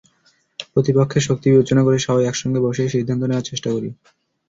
প্রতিপক্ষের শক্তি বিবেচনা করে সবাই একসঙ্গে বসেই সিদ্ধান্ত নেওয়ার চেষ্টা করি।